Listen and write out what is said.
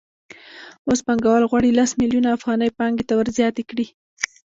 اوس پانګوال غواړي لس میلیونه افغانۍ پانګې ته ورزیاتې کړي